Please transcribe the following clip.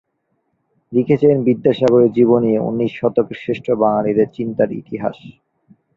লিখেছেন বিদ্যাসাগরের জীবনী, ঊনিশ শতকের শ্রেষ্ঠ বাঙালিদের চিন্তার ইতিহাস।